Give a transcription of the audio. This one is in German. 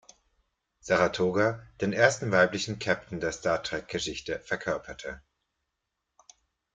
Saratoga" den ersten weiblichen Captain der "Star-Trek"-Geschichte verkörperte.